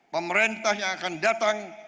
pemerintah yang akan datang